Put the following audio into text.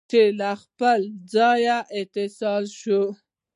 چې له خپل ځان، اتصال شوم